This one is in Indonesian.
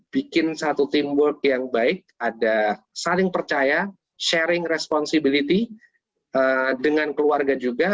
bikin satu teamwork yang baik ada saling percaya sharing responsibility dengan keluarga juga